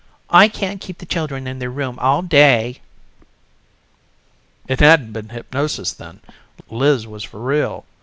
I can't keep the children in their room all day." It hadn't been hypnosis then! Liz was for real.